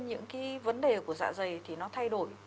những cái vấn đề của dạ dày thì nó thay đổi